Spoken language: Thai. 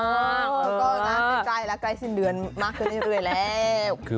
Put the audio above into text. แล้วกลายสิบเหนือนมากขึ้นเรื่อยแล้ว